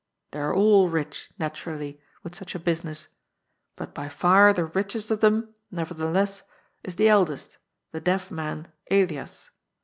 They are all rich, naturally, with such a busi ness, but by far the richest of them, nevertheless, is the eldest, the deaf man Elias.